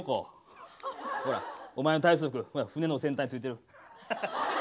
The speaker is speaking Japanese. ほらお前の体操服ほら船の先端についてる。